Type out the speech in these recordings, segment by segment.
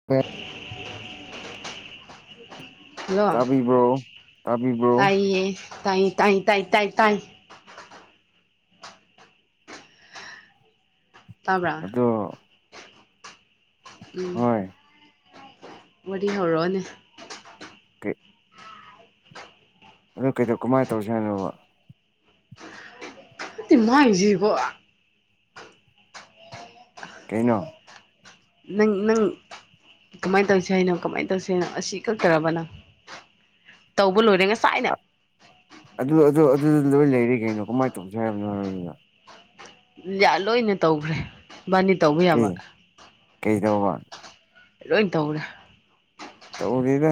[unintelligible] [inaudible] [inaudible] hello ꯇꯥꯕꯤꯕ꯭ꯔꯣ ꯇꯥꯕꯤꯕ꯭ꯔꯣ ꯇꯥꯏꯌꯦ ꯇꯥꯏ ꯇꯥꯏ ꯇꯥꯏ ꯇꯥꯏ ꯇꯥꯏ ꯇꯥꯕ꯭ꯔꯥ ꯑꯗꯣ ꯎꯝ ꯍꯣꯏ ꯋꯥꯔꯤ ꯍꯧꯔꯛꯑꯣꯅꯦ ꯀꯩ ꯑ ꯀꯩꯗꯧ ꯀꯃꯥꯏꯅ ꯇꯧꯁꯦ ꯍꯥꯏꯅꯣꯕꯥ [unintelligible] ꯃꯥꯡꯁꯤꯀꯣ ꯀꯩꯍꯥꯏꯅꯣ ꯅꯪ ꯅꯪ ꯀꯃꯥꯏꯅ ꯇꯧꯁꯦ ꯍꯥꯏꯅꯣ ꯀꯃꯥꯏꯅ ꯇꯧꯁꯦ ꯍꯥꯏꯅꯣ ꯑꯁꯤ ꯀꯛꯇꯔꯕꯅꯪ ꯇꯧꯕ ꯂꯣꯏꯔꯦ ꯉꯁꯥꯏꯅ ꯑꯗꯨ ꯑꯗꯨ ꯂꯣꯏ ꯂꯩꯔꯤ ꯀꯩꯅꯣ ꯀꯃꯥꯏꯅ ꯇꯧꯁꯤ ꯍꯥꯏꯕꯅꯣ ꯍꯥꯏꯅꯤꯅ ꯂꯣꯏꯅ ꯇꯧꯈ꯭ꯔꯦ ꯏꯕꯥꯅꯤ ꯇꯧꯕ ꯌꯥꯕ ꯀꯩ ꯀꯩꯗꯧꯕ ꯂꯣꯏ ꯇꯧꯔꯦ ꯇꯧꯗ‌‍‌ꯦꯗ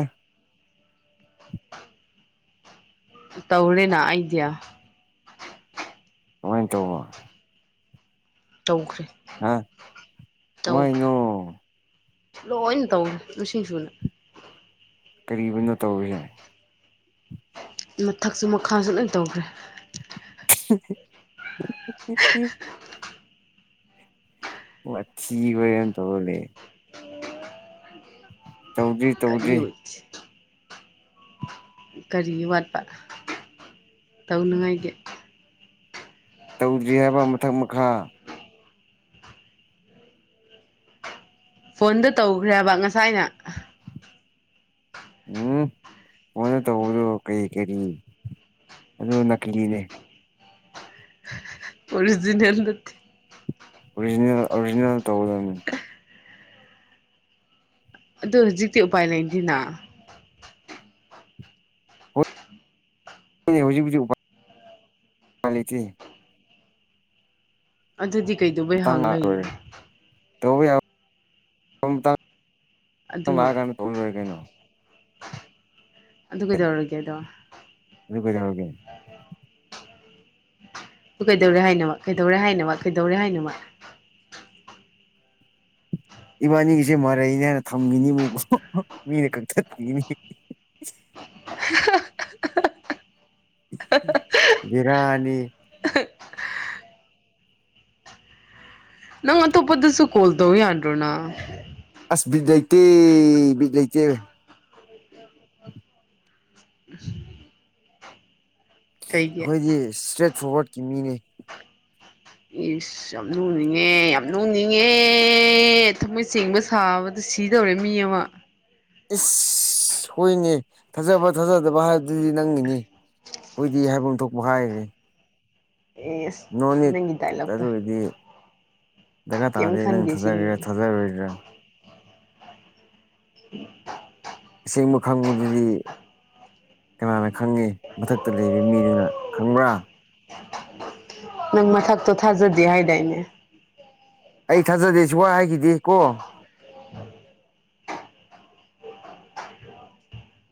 ꯇꯧꫪ‌ꯦꯅ ꯑꯩꯗꯤ ꯀꯃꯥꯏꯅ ꯇꯧꯕ ꯇꯧꯈ꯭ꯔꯦ ꯍꯥ ꯇꯧꯈ꯭ꯔꯦ ꯀꯃꯥꯏꯅꯣ ꯂꯣꯏꯅ ꯇꯧꯋ‌ꯦ ꯃꯁꯤꯡ ꯁꯨꯅ ꯀꯔꯤꯅꯣ ꯇꯧꯔꯤꯁꯦ ꯃꯊꯛꯁꯨ ꯃꯈꯥꯁꯨ ꯂꯣꯏ ꯇꯧꯈ꯭ꯔꯦ [unintelligible] ꯋꯥꯊꯤ ꯋꯥꯔ‌ꯦꯝ ꯇꯧꯔꯂꯩ ꯇꯧꯗ꯭ꯔꯤ ꯀꯔꯤ ꯇꯧꯗ꯭ꯔꯤ ꯀꯔꯤ ꯋꯥꯠꯄ ꯇꯧꯅꯤꯉꯥꯏꯒꯤ ꯇꯧꯗ꯭ꯔꯤ ꯍꯥꯏꯕ ꯃꯊꯛ ꯃꯈꯥ ꯐꯣꯟꯗ ꯇꯧꯒ‍꯭ꯔꯦ ꯍꯥꯏꯕ ꯉꯁꯥꯏꯅ ꯎꯝ ꯐꯣꯟꯅ ꯇꯧꯕꯗꯣ ꯀꯔꯤ ꯀꯔꯤ ꯑꯗꯨ ꯅꯥꯛꯀꯂꯤꯅꯦ ꯑꯣꯔꯤꯖꯤꯅꯦꯜ ꯅꯠꯇꯦ ꯑꯣꯔꯤꯖꯤꯅꯦꯜ ꯑꯣꯔꯤꯖꯤꯅꯦꯜ ꯇꯧꯒꯗꯕꯅꯤ ꯑꯗꯣ ꯍꯧꯖꯤꯛꯇꯤ ꯎꯄꯥꯏ ꯂꯩꯇꯦꯅꯥ ꯍꫭꯏꯅ‌ꯦ ꯍꯧꯖꯤꯛ ꯄꯨꯗꯤ ꯎꯨꯄꯥꯏ ꯂꯩꯇꯦ ꯑꯗꯨꯗꯤ ꯀꯩꯗꯧ ꯃꯇꯥꯡ ꯂꯥꯛꯑꯔ‌ꯣꯏ ꯇꯧꯕ ꯌꯥꯕ ꯃꯇꯡ ꯑꯗꯨ ꯂꯥꯛꯑ ꯀꯥꯟꯗ ꯇꯧꯔ ꯂꫭꯏꫪ‌ꯦ ꯀꯩꯅꯣ ꯑꯗꯨ ꯀꯩꯗꯧꯔꯒꯦ ꯑꯗꯣ ꯑꯗꯨ ꯀꯩꯗꯧꫪꯒꯦ ꯑꯗꯨ ꯀꯩꯗꯧꯔꯦ ꯍꯥꯏꯅꯣꯕ ꯀꯩꯗꯧꯔꯦ ꯍꯥꯏꯅꯣꯕ ꯀꯩꯗꯧꯔꯦ ꯍꯥꯏꯅꫭꯕ ꯏꯕꯥꯅꯤꯒꯤꯁꯦ ꯃꯔꯩꯅꯦ ꯍꯥꯏꯅ ꯊꯝꯈꯤꯅꯤꯕꫭ ꯃꯤꯅ ꯀꯛꯊꯠꯄꯤꯒꯤꯅꯤ ꯕꯦꯔꯥꯅꯤ ꯅꯪ ꯑꯇꯣꯞꯄꯗꯁꯨ ꯀꯣꯜ ꯇꯧ ꯌꯥꯗ꯭ꯔꯣ ꯅꯪ ꯑꯁ ꯕꯤꯠ ꯂꯩꯇꯦ ꯕꯤꯠ ꯂꯩꯇꯦ ꯀꯩꯒꯤ ꯑꯩꯈꯣꯏꯗꯤ ꯏꯁꯇ꯭ꯔꯦꯠ ꯐꯣꯔꯋꯥꯔꯀꯤ ꯃꯤꯅ‌ꯦ ꯏꯁ ꯑꯁ ꯌꯥꯝ ꯅꯨꯅꯤꯡꯉꯦ ꯌꯥꯝ ꯅꯨꯅꯤꯡꯉꯦ ꯊꯃꯣꯏ ꯆꯦꯡꯕ ꯁꯥꯕꯗ ꯁꯤꯗꯧꯔꯦ ꯃꯤ ꯑꯃ ꯏꯁ ꯍꫭꯏꯅꯦ ꯊꯥꯖꯕ ꯊꯥꯖꯗꯕ ꯍꯥꯏꯕꯗꯨꯗꯤ ꯅꯪꯒꯤꯅꯤ ꯑꯩꯖꫭꯏꯗꯤ ꯍꯥꯏꯐꯝ ꯊꯣꯛꯄ ꯍꯥꯏꯔꯦ ꯑꯦꯁ ꯅꯣ ꯅꯤꯠ ꯅꯪꯒꯤ ꯗꯥꯏꯂꯣꯛꯇꯣ ꯑꯗꯨꯒꯤꯗꯤ ꯗꯔꯀꯥꯔ ꯀꯩꯝ ꯇꯥꯗ‌ꯦ ꯅꯪ ꯈꯟꯗꯦ ꯁꯤꯅꯤ ꯊꯥꯖꯒ‌ꯦꯔꯥ ꯊꯥꯖꯔꯣꯏꯒꯦꯔꯥ [unintelligible] ꯑꯁ‌ꯦꯡꯕ ꯈꯪꯕꯗꯨꯗꯤ ꯀꯅꯅ ꯈꯪꯉꯤ ꯃꯊꯛꯇ ꯂꯩꯕ ꯃꯤꯗꯨꯅ ꯈꯪꯕ꯭ꯔꯥ ꯅꯪ ꯃꯊꯛꯇꯣ ꯊꯥꯖꯗꯦ ꯍꯥꯏꯗꯥꯏꯅꯦ ꯑꯩ ꯊꯥꯖꯗꯦ ꯁꯨꯡꯍꯥꯏ ꯍꯥꯏꯈꯤꯗꯦ ꯀꯣ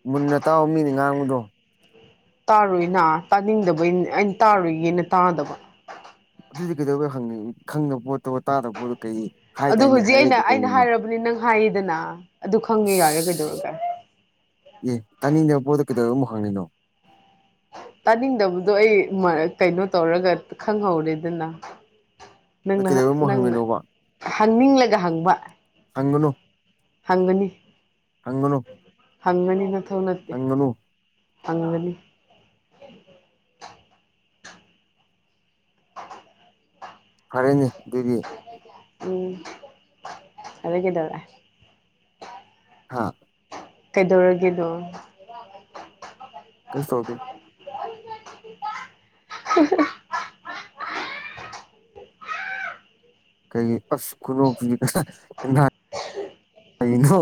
ꯃꯨꯟꯅ ꯇꯥꯎ ꯃꯤꯅ ꯉꯥꯡꯕꯗꯣ ꯇꯥꯔꯣꯏꯅ ꯇꯥꯅꯤꯡꯗꯕꯩꯅꯤ ꯑꯩꯅ ꯇꯥꯔꯣꯏꯒꯦꯅ ꯇꯥꯗꯕ ꯑꯗꯨꯗꯤ ꯀꯩꯗꯧꯕꯩ ꯍꯪꯏ ꯈꯪꯗꯕ ꯄꯣꯠꯇꯣ ꯇꯥꯗꯕ ꯄꯣꯠꯇꯣ ꯀꯩ ꯑꯗꯨ ꯍꯥꯏꯗꯥꯏꯅꯦ ꯍꯧꯖꯤꯛ ꯑꯩꯅ ꯍꯥꯏꯔꯛꯏꯗꯣ ꯑꯩꯅ ꯀꯩꯒꯤꯅꯣ ꯍꯥꯏꯔꯕꯅꯤ ꯅꯪ ꯍꯥꯏꯌꯦꯗꯅ ꯑꯗꯨ ꯈꯪꯉꯦ ꯌꯥꯔꯦ ꯏꯁ ꯀꯩꯗꯧꯔꯒꯦ ꯑꯦ ꯇꯥꯅꯤꯡꯗꯕ ꯄꯣꯠꯇꯣ ꯀꯩꯗꯧꯕ ꯑꯃꯨꯛ ꯍꯪꯂꯤꯅꯣ ꯇꯥꯅꯤꯡꯗꯕꯗꯣ ꯑꯩ ꯃ ꯀꯩꯅꯣ ꯇꯧꯔꯒ ꯈꯪꯍꯧꯔꯦꯗꯅ ꯑꯗꯨ ꯅꯪꯅ ꯀꯩꯗꯧꯕꯩ ꯑꯃꯨꯛ ꯅꯪꯅ ꯍꯪꯉꯤꯅꯣꯕ ꯍꯪꯅꯤꯡꯂꯒ ꯍꯪꯕ ꯍꯪꯒꯅꯨ ꯍꯪꯒꯅꯤ ꯍꯪꯒꯅꯨ ꯍꯪꯒꯅꯤ ꯅꯊꯧ ꯅꯠꯇꯦ ꯍꯪꯒꯅꯨ ꯍꯪꯒꯅꯤ ꯐꯔꯦꯅꯦ ꯗꯨꯗꯤ ꯎꯝ ꯑꯗꯩ ꯀꯩꯗꯧꯔꯦ ꯍꯥ ꯀꯩꯗꯧꯔꯒꯦꯗꯣ ꯀꯩꯁꯨ ꯇꯧꯗꯦ [inaudible] ꯀꯩ ꯑꯁ ꯈꯨꯅꯣꯛꯇꯨꯗꯤ ꯍ ꯀꯩꯅꯣ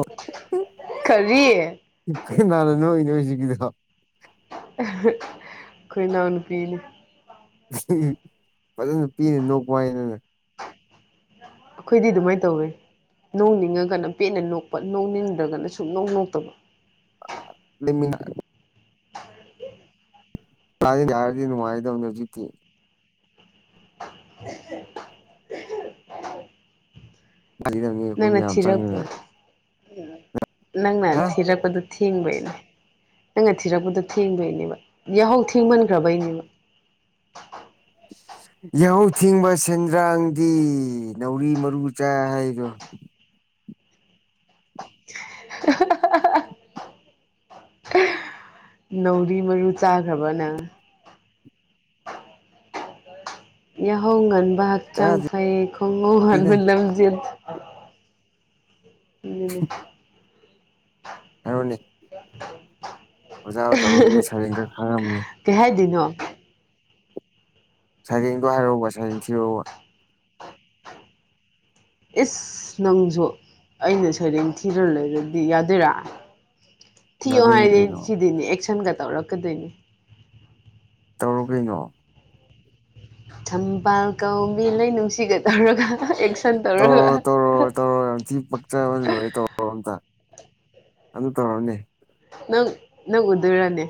ꯀꯔꯤ ꯑꯩꯈꯣꯏ ꯀꯩꯅꯥꯅ ꯅꯣꯛꯏꯅꯣ ꯍꯧꯖꯤꯀꯤꯗꯣ ꯑꯩꯈꯣꯏ ꯅꯅꯥꯎꯅꯨꯄꯤꯅ ꯐꯖꯅ ꯄꯦꯅ ꯅꯣꯛꯄꯋꯥꯅꯤꯗ ꯅꯅ ꯑꯩꯈꯣꯏꯗꯤ ꯑꯗꯨꯃꯥꯏꯅ ꯇꯧꯋꯦ ꯅꯣꯡꯅꯤꯡꯉꯒꯅ ꯄꯦꯠꯅ ꯅꯣꯛꯄ ꯅꯣꯡꯅꯤꯡꯗ꯭ꯔꯒꯅ ꯁꯨꯛꯅꯣꯛ ꯅꯣꯛꯇꯕ ꯂꯩꯃꯤꯅ ꯑꯥꯗꯗꯤ ꯕꯤꯍꯥꯔꯗꯗꯤ ꯅꯨꯡꯉꯥꯏꯗꯧꯅꯤ ꯖꯤꯛꯇꯤ ꯂꯤꯔꯝꯅꯤ ꯅꯪꯅ ꯊꯤꯔꯛꯄ ꯅꯪꯅ ꯍꯥ ꯊꯤꯔꯛꯄꯗꯨ ꯊꯦꯡꯕꯩꯩꯅꯦ ꯅꯪꯅ ꯊꯤꯔꯛꯄꯗꯣ ꯊꯦꯡꯕꯩꯅꯦꯕ ꯌꯥꯍꯧ ꯊꯦꯡꯃꯟꯈ꯭ꯔꯕꯩꯅꯦꯕ ꯌꯥꯍꯧ ꯊꯤꯡꯕ ꯁꯦꯟꯗ꯭ꯔꯥꯡꯗꯤ ꯅꯧꯔꯤ ꯃꯔꯨ ꯆꯥ ꯍꯥꯏꯗꯣ [inaudible] ꯅꯥꯧꯔꯤ ꯃꯔꯨ ꯆꯥꯈ꯭ꯔꯕ ꯅꯪ ꯌꯥꯍꯧ ꯉꯟꯕ ꯍꯛꯆꯥꯡ ꯆꯥꯗ꯭ꯔꯤꯗ ꯐꯩ ꯈꯣꯡꯍꯧ ꯍꯟꯕ ꯂꯝꯖꯦꯟ [unintelligible] ꯍꯥꯏꯔꯣꯅꯦ [inaudible] ꯑꯣꯖꯥ ꯇꯧꯔꯝꯃꯤ ꯁꯩꯔꯦꯡ ꯈꯔ ꯈꯪꯉꯝꯅꯤ ꯀꯩ ꯍꯥꯏꯗꯣꯏꯅꯣ ꯁꯩꯔꯦꯡꯗꯣ ꯍꯥꯏꯔꯣꯕ ꯁꯔꯦꯡ ꯊꯤꯔꯑꯣꯕ ꯏꯁ ꯅꯪꯖꯨ ꯑꯩꯅ ꯁꯩꯔꯦꯡ ꯊꯤꯔ ꯂꯩꯔꯗꯤ ꯌꯥꯗꯣꯏꯔꯥ ꯊꯤꯌꯣ ꯌꯥꯗꯣꯏꯅꯤ ꯍꯥꯏꯗꯤ ꯑꯩꯗꯤ ꯀꯩꯅꯣ ꯊꯤꯗꯣꯏꯅꯤ ꯑꯦꯛꯁꯟꯒ ꯇꯧꯔꯛꯀꯗꯣꯏꯅꯤ ꯇꯧꯔꯣ ꯀꯩꯅꯣ ꯊꯝꯕꯥꯜ ꯀꯧꯕꯤ ꯂꯩꯅꯨꯡꯁꯤꯒ ꯇꯧꯔꯒ ꯑꯦꯛꯁꯟ ꯇꯧꯔꯒ ꯆꯥꯕ ꯂꯣꯏꯔ ꯇꯧꯔꯣ ꯑꯝꯇ ꯑꯝꯇ ꯇꯧꯔꯣꯅꯦ ꯅꯪ ꯅꯪ ꯎꯗꯣꯏꯔꯅꯦ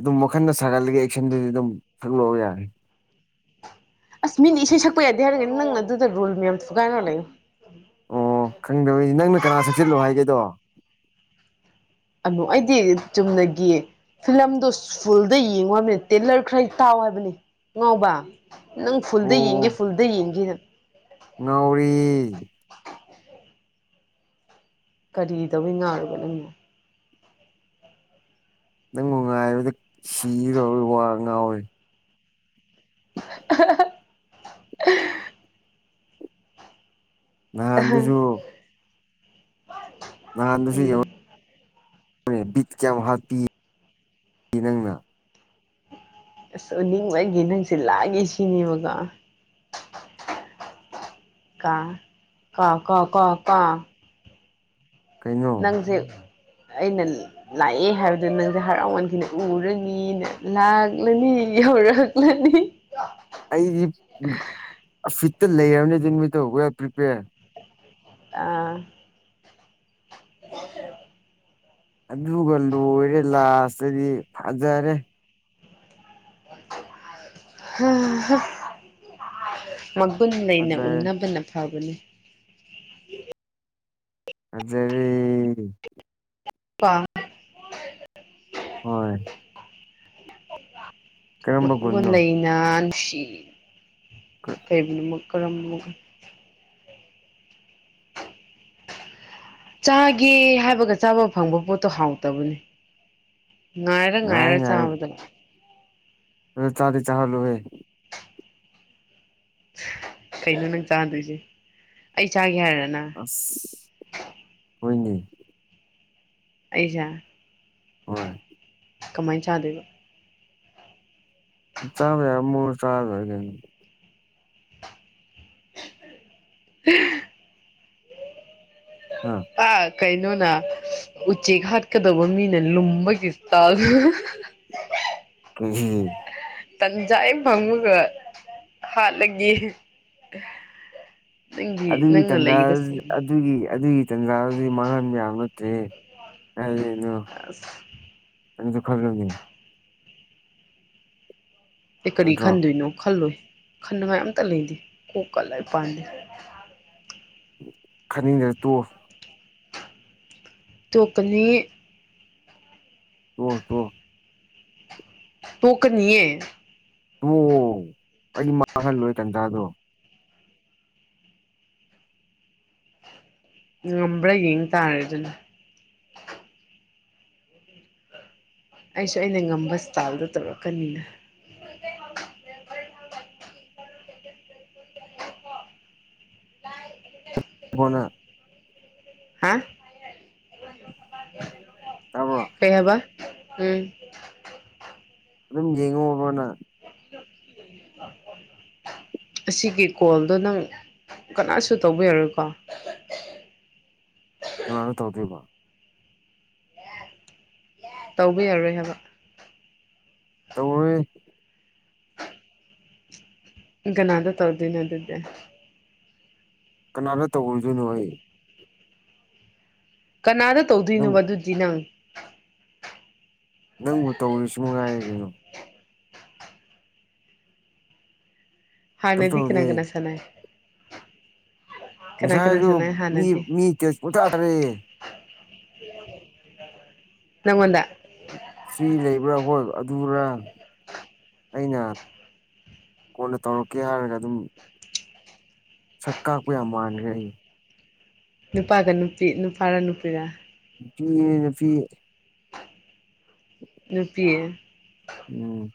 ꯑꯗꯨꯝ ꯋꯥꯈꯜꯅ ꯁꯥꯒꯠꯂꯒ ꯑꯦꯛꯁꯟꯗꯨꯗꯤ ꯑꯗꯨꯝ ꯁꯛꯂꯛꯑꯣ ꯌꯥꯔꯦ ꯑꯁ ꯃꯤꯅ ꯏꯁꯩ ꯁꯛꯄ ꯌꯥꯗꯦ ꯍꯥꯏꯔꯒ ꯅꯪꯅ ꯑꯗꯨꯗ ꯔꯨꯜ ꯃꯌꯥꯝ ꯊꯨꯒꯥꯏꯔ ꯂꯩꯌꯣ ꯈꯪꯗꯕꯩꯅꯤ ꯅꯪꯅ ꯀꯅꯥ ꯁꯛꯆꯜꯂꯣ ꯍꯥꯏꯒꯦꯗꯣ ꯑꯃꯨ ꯑꯩꯗꯤ ꯆꯨꯝꯅꯒꯤ ꯐꯤꯂꯝꯗꯣ ꯐꯨꯜꯗ ꯌꯦꯡꯉꯨ ꯍꯥꯏꯕꯅꯦ ꯇꯦꯂꯔ ꯈꯔ ꯇꯥꯎ ꯍꯥꯏꯕꯅꯦ ꯑꯉꯥꯎꯕ ꯅꯪ ꯐꯨꯜꯗ ꯑꯣ ꯌꯦꯡꯒꯦ ꯐꯨꯜꯗ ꯌꯦꯡꯒꯦꯅ ꯉꯥꯎꯔꯦ ꯀꯔꯤꯗꯧꯕꯩ ꯉꯥꯎꯔꯕ ꯅꯪꯅ ꯅꯪꯕꯨ ꯉꯥꯏꯕꯗ ꯁꯤꯒꯗꯧ ꯋꯥ ꯉꯥꯎꯔꯦ [unintelligible] ꯅꯍꯥꯟꯗꯖꯨ ꯅꯍꯥꯟꯗꯁꯨ ꯎꯝ ꯌꯦꯡꯉꯣ ꯕꯤꯠ ꯀꯌꯥꯝ ꯍꯥꯠꯄꯤ ꯅꯪꯅ ꯑꯁ ꯎꯅꯤꯡꯕꯒꯤ ꯅꯪꯁꯦ ꯂꯥꯡꯉꯦ ꯁꯤꯅꯦꯕꯀꯣ ꯀ ꯀꯣ ꯀꯣ ꯀꯣ ꯀꯣ ꯀꯩꯅꯣ ꯅꯪꯁꯦ ꯑꯩꯅ ꯂꯥꯛꯑꯦ ꯍꯥꯏꯕꯗꯨ ꯅꯪꯖꯦ ꯍꯔꯥꯎꯃꯟꯈꯤꯅ ꯎꯔꯅꯤꯅ ꯂꯥꯛꯂꯅꯤ ꯌꯧꯔꯛꯂꯅꯤ ꯑꯩꯗꯤ ꯐꯤꯠꯇ ꯂꯩꯔꯝꯅꯦ ꯑꯗꯨꯃꯤꯠꯗꯨ ꯋꯤ ꯑꯔ ꯄ꯭ꯔꯤꯄꯦꯌꯔꯗ ꯑꯥ [unintelligible] ꯑꯗꯨꯒ ꯂꯣꯏꯔꯦ ꯂꯥꯁꯇꯗꯤ ꯐꯖꯔꯦ ꯍꯥ ꯍꯥ ꯃꯒꯨꯟ ꯂꯩꯅ ꯐꯖꯔꯦ ꯎꯟꯅꯕꯅ ꯐꯕꯅꯤ ꯌꯖꯔꯦ ꯄꯥ ꯍꯣꯏ ꯀꯔꯝꯕ ꯃꯒꯨꯟ ꯒꯨꯟꯅꯣ ꯂꯩꯅ ꯅꯨꯡꯁꯤ [unintelligible] [unintelligible] ꯆꯥꯒꯦ ꯍꯥꯏꯕꯒ ꯆꯥꯕ ꯐꯪꯕ ꯄꯣꯠꯇꯣ ꯍꯥꯎꯇꯕꯅꯦ ꯉꯥꯏꯔ ꯉꯥꯏ ꯉꯌꯥꯔꯒ ꯉꯥꯏ ꯆꯕꯗꯨ ꯑꯗꯨ ꯆꯥꯗꯤ ꯆꯍꯜꯂꯨ ꯍꯦ ꯀꯩꯅꯣ ꯅꯪ ꯆꯥꯗꯣꯏꯁꯤ ꯑꯩ ꯆꯥꯒꯦ ꯍꯥꯏꯔ ꯅꯪ ꯑꯁ ꯍꯣꯏꯅꯦ ꯑꯩꯁꯦ ꯍꯣꯏ ꯀꯃꯥꯏꯅ ꯆꯥꯗꯣꯏꯕ ꯆꯥꯕ ꯌꯥꯕ ꯃꯑꯣꯡꯗ ꯆꯔꯥ ꯂꯣꯏꯔꯦ ꯀꯩꯅꯣ ꯑꯦ ꯍꯥ ꯑꯥ ꯀꯩꯅꯣꯅ ꯎꯆꯦꯛ ꯍꯥꯠꯀꯗꯧꯕ ꯃꯤꯅ ꯂꯨꯝꯕꯒꯤ ꯇꯧ [unintelligible] ꯇꯟꯖꯥ ꯍꯦꯛ ꯐꯪꯕꯒ ꯍꯥꯠꯂꯒꯦ ꯅꯪꯒꯤ ꯑꯗꯨꯒꯤ ꯅꯪꯅ ꯇꯥꯟꯖꯥ ꯂꯩꯕꯁꯦ ꯑꯗꯨꯒꯤ ꯑꯗꯨꯒꯤ ꯇꯥꯟꯖꯥꯗꯨꯗꯤ ꯃꯥꯡꯉꯟꯕ ꯌꯥꯕ ꯅꯠꯇꯦꯍꯦ ꯀꯥꯏꯗꯩꯅꯣ ꯑꯁ ꯅꯪꯁꯨ ꯈꯜꯂꯨꯅꯦ ꯑꯩ ꯀꯔꯤ ꯅꯠꯇ꯭ꯔꯣ ꯈꯟꯗꯣꯏꯅꯣ ꯈꯜꯂꯣꯏ ꯈꯟꯅꯉꯥꯏ ꯑꯝꯇ ꯂꯩꯇꯦ ꯀꯣꯛꯀ ꯂꯣꯏ ꯄꯥꯟꯗꯦ ꯈꯅꯤꯡꯗꯔ ꯇꯣꯛ ꯇꯣꯛꯀꯅꯤ ꯇꯣꯛꯑꯣ ꯇꯣꯛꯑꯣ ꯇꯣꯛꯀꯅꯤꯌꯦ ꯇꯣꯛꯑꯣ ꯑꯩ ꯃꯥꯡꯍꯜꯂꯣꯏ ꯇꯥꯟꯖꯥꯗꯣ ꯉꯝꯕ꯭ꯔꯥ ꯌꯦꯡ ꯇꯥꯔꯦ ꯑꯗꯨꯅ ꯑꯩꯁꯨ ꯑꯩꯅ ꯉꯝꯕ ꯁ꯭ꯇꯥꯥꯏꯜꯗꯣ ꯇꯧꯔꯛꯀꯅꯤꯗ ꯀꯣꯟꯅꯥ ꯍꯥ ꯇꯥꯕ꯭ꯔꯣ ꯀꯩꯍꯥꯏꯕ ꯎꯝ ꯑꯗꯨꯝ ꯌꯦꯡꯉꯣꯕ ꯅꯪ [unintelligible] ꯑꯁꯤꯒꯤ ꯀꯣꯜꯗꯣ ꯅꯪ ꯀꯅꯥꯁꯨ ꯇꯧꯕ ꯌꯥꯔꯣꯏꯀꯣ ꯀꯅꯥꯗ ꯇꯧꯗꯣꯏꯕ ꯇꯧꯕ ꯌꯥꯔꯣꯏ ꯍꯥꯏꯕ ꯇꯧꯔꯣꯏꯍꯦ ꯏ ꯀꯅꯥꯗꯥ ꯇꯧꯗꯣꯏꯅꯣ ꯑꯗꯨꯗꯤ ꯀꯅꯥꯗ ꯇꯧꯔꯨꯗꯣꯏꯅꯣ ꯑꯩ ꯀꯅꯥꯗ ꯅꯪꯕꯨ ꯇꯧꯗꯣꯏꯅꯣꯕ ꯑꯗꯨꯗꯤ ꯅꯪ ꯅꯪꯕꯨ ꯇꯧꯔꯤꯁꯨ ꯅꯨꯡꯉꯥꯏꯔꯦ ꯀꯩꯅꯣ ꯀꯩꯁꯨ ꯍꯥꯥꯟꯅꯗꯤ ꯇꯧꯗꯦ ꯀꯅꯥ ꯀꯅꯥ ꯁꯅꯩ ꯀꯅꯥ ꯉꯁꯥꯏꯁꯨ ꯁꯥꯟꯅꯩ ꯃꯤ ꯍꯥꯟꯅꯗꯤ ꯃꯤ ꯇꯦꯛꯁ ꯄꯪꯊꯥ ꯊꯥꯔꯛꯏ ꯅꯪꯉꯣꯟꯗ ꯐ꯭ꯔꯤ ꯂꯩꯕ꯭ꯔꯥ ꯍꯣꯏ ꯑꯗꯨꯔꯥ ꯑꯩꯅ ꯀꯣꯟꯅ ꯇꯧꯔꯛꯀꯦ ꯍꯥꯏꯔꯒ ꯑꯗꯨꯝ ꯁꯛ ꯀꯥꯛ ꯌꯥꯝ ꯃꯥꯟꯒ꯭ꯔꯦ ꯑꯩ ꯅꯨꯄꯥꯒ ꯅꯨꯄꯤ ꯅꯨꯄꯥꯔ ꯅꯨꯄꯤꯔ ꯅꯨꯄꯤꯅꯦ ꯅꯨꯄꯤ [inaudible] ꯅꯨꯄꯤ ꯅꯪ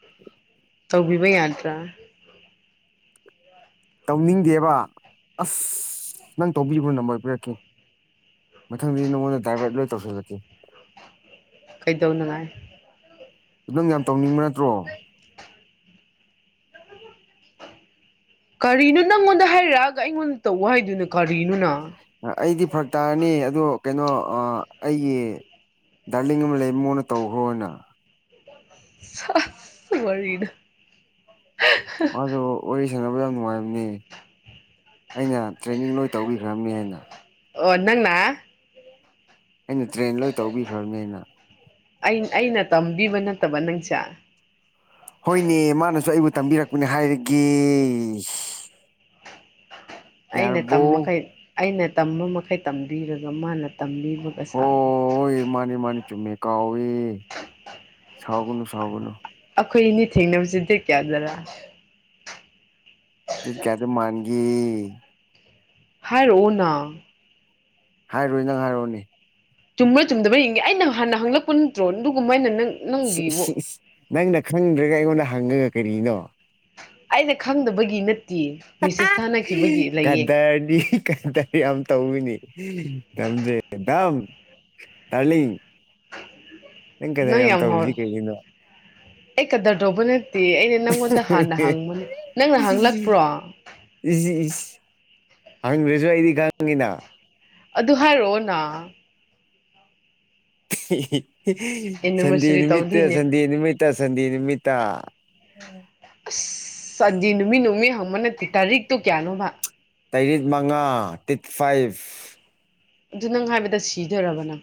ꯇꯧꯕꯤꯕ ꯌꯥꯗ꯭ꯔ ꯇꯧꯅꯤꯡꯗꯦꯕ ꯑꯁ ꯅꯪ ꯇꯧꯕꯤꯕ꯭ꯔꯣ ꯅꯝꯕꯔ ꯄꯤꯔꯛꯀꯦ ꯃꯊꯪꯗꯤ ꯅꯉꯣꯟꯗ ꯗꯥꯥꯏꯚꯔꯠ ꯂꯣꯏ ꯇꯧꯁꯤꯜꯂꯛꯀꯦ ꯀꯩꯗꯧꯅꯉꯥꯏ ꯅꯪ ꯌꯥꯝ ꯇꯧꯅꯤꯡꯕ ꯅꯠꯇ꯭ꯔꯣ ꯀꯔꯤꯅꯣ ꯅꯪꯉꯣꯟꯗ ꯍꯥꯏꯔꯛꯑꯒ ꯑꯩꯉꯣꯟꯗ ꯇꯧ ꯍꯥꯏꯗꯨꯅꯣ ꯀꯔꯤꯅꯣꯅ ꯑꯩꯗꯤ ꯐꯔꯛ ꯇꯥꯔꯅꯤ ꯑꯗꯣ ꯀꯩꯅꯣ ꯑ ꯑꯩꯒꯤ ꯗꯥꯔꯂꯤꯡ ꯑꯃ ꯂꯩ ꯃꯉꯣꯟꯅ ꯇꯧꯈ꯭ꯔꯣꯅ ꯁꯁ ꯋꯥꯔꯤꯗꯣ ꯑꯗꯣ ꯋꯥꯔꯤ ꯁꯥꯟꯅꯕ ꯌꯥꯝ ꯅꯨꯡꯉꯥꯏꯕꯅꯤ ꯑꯩꯅ ꯇ꯭ꯔꯦꯅꯤꯡ ꯂꯣꯏ ꯇꯧꯕꯤꯈ꯭ꯔꯕꯅꯦ ꯍꯥꯏꯅ ꯑꯣ ꯅꯪꯅ ꯑꯩꯅ ꯇ꯭ꯔꯦꯟ ꯂꯣꯏ ꯇꯧꯕꯤꯈ꯭ꯔꯕꯅꯦꯅ ꯑꯩ ꯑꯩꯅ ꯇꯝꯕꯤꯕ ꯅꯠꯇꯕ ꯅꯪꯁꯦ ꯍꯣꯏꯅꯦ ꯃꯥꯅꯁꯨ ꯑꯩꯕꯨ ꯇꯝꯕꯤꯔꯛꯄꯅꯦ ꯍꯥꯏꯔꯒꯦ ꯑꯩꯅ ꯌꯥꯔꯕꯣ ꯇꯝꯃꯈꯩ ꯑꯩꯅ ꯇꯝꯕ ꯃꯈꯩ ꯇꯝꯕꯤꯔꯒ ꯃꯥꯅ ꯇꯝꯕꯤꯕ ꯒ ꯁꯥꯔꯤ ꯍꯣꯏ ꯃꯥꯅꯤ ꯃꯥꯅꯤ ꯆꯨꯝꯃꯦ ꯀꯥꯎꯋꯦ ꯁꯥꯎꯒꯅꯨ ꯁꯥꯎꯒꯅꯨ ꯑꯩꯈꯣꯏ ꯑꯅꯤ ꯊꯦꯡꯅꯕꯁꯤꯗꯤ ꯀꯌꯥꯗꯔꯥ ꯗꯦꯠ ꯀꯌꯥꯗ ꯃꯥꯥꯟꯒꯦ ꯍꯥꯏꯔꯛꯑꯣꯅ ꯍꯥꯏꯔꯣꯏ ꯅꯪ ꯍꯥꯏꯔꯛꯑꯣꯅꯦ ꯆꯨꯝꯕ꯭ꯔ ꯆꯨꯝꯗꯕ ꯌꯦꯡꯒꯦ ꯑꯩꯅ ꯍꯥꯟꯅ ꯍꯪꯂꯛꯄ ꯅꯠꯇ꯭ꯔꯣ ꯑꯗꯨꯒꯨꯝꯕ ꯑꯩꯅ ꯅꯪ ꯁꯤ ꯏꯁ ꯁꯤ ꯅꯪꯒꯤꯕꯨ ꯏꯁ ꯅꯪꯅ ꯈꯪꯗ꯭ꯔꯒ ꯑꯩꯉꯣꯟꯗ ꯍꯪꯉꯒ ꯀꯔꯤꯅꯣ ꯑꯩꯅ ꯈꯪꯗꯕꯒꯤ ꯅꯠꯇꯤꯌꯦ ꯃꯤꯁꯦꯁ ꯀꯗꯔꯗꯤ ꯀꯗꯔ ꯌꯥꯝ ꯇꯧꯏꯅꯦ ꯇꯝꯖꯦ ꯗꯥꯝ ꯗꯥꯔꯂꯤꯡ ꯀꯗꯔ ꯅꯪ ꯌꯥꯝ ꯍꯧꯔꯦ ꯇꯧꯔꯤꯁꯤ ꯀꯩꯒꯤꯅꯣ ꯑꯩ ꯀꯗꯔ ꯇꯧꯕ ꯅꯠꯇꯤꯌꯦ ꯑꯩꯅ ꯅꯪꯉꯣꯟꯗ ꯍꯥꯟꯅ ꯍꯪꯕꯅꯤ ꯅꯪꯅ ꯍꯪꯂꯛꯄ꯭ꯔꯣ ꯏꯁ ꯏꯁ ꯍꯪꯗ꯭ꯔꯁꯨ ꯑꯩꯗꯤ ꯈꯪꯉꯤꯅ ꯑꯗꯨ ꯍꯥꯏꯔꯛꯑꯣꯅ ꯁꯟꯗꯦ ꯑꯦꯅꯤꯚꯔꯁꯔꯤ ꯅꯨꯃꯤꯠꯇ ꯇꯧꯗꯣꯏꯅꯦ ꯁꯟꯗꯦ ꯅꯨꯃꯤꯠ ꯇ ꯁꯟꯗꯦ ꯅꯨꯃꯤꯠꯇ ꯑꯁ ꯁꯟꯗꯦ ꯅꯨꯃꯤꯠ ꯅꯨꯃꯤꯠ ꯍꯪꯕ ꯅꯠꯇꯦ ꯇꯥꯔꯤꯛꯇꯣ ꯀꯌꯥꯅꯣꯕ ꯇꯔꯤꯛ ꯃꯉꯥ ꯗꯦꯠ ꯐꯥꯏꯚ ꯑꯗꯨ ꯅꯪ ꯍꯥꯏꯕꯗ ꯁꯤꯗꯣꯏꯔꯕ ꯅꯪ